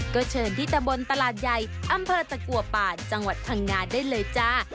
ก็เชิญที่ตะบนตลาดใหญ่อำเภอตะกัวป่าจังหวัดพังงาได้เลยจ้า